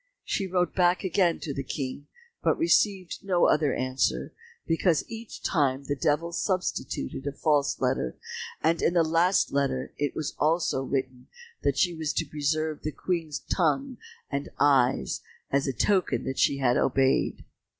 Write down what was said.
She wrote back again to the King, but received no other answer, because each time the Devil substituted a false letter, and in the last letter it was also written that she was to preserve the Queen's tongue and eyes as a token that she had obeyed.